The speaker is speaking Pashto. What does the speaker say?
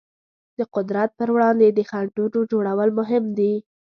د قدرت پر وړاندې د خنډونو جوړول مهم دي.